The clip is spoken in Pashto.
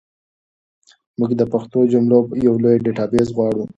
موږ د پښتو جملو یو لوی ډیټابیس غواړو.